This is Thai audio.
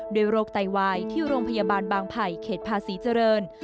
โดยโรคไตวายที่โรงพยาบาลบางไผ่เขตภาษีเจริญ